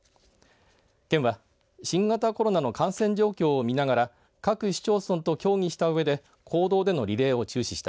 県は、新型コロナの感染状況を見ながら各市町村と協議したうえで公道でのリレーを中止した。